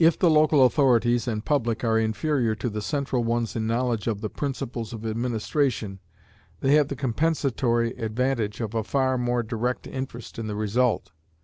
If the local authorities and public are inferior to the central ones in knowledge of the principles of administration, they have the compensatory advantage of a far more direct interest in the result.